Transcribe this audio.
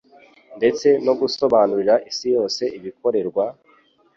ndetse no gusobanurira Isi yose ibikorerwa